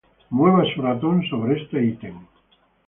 Mueva su ratón sobre este ítem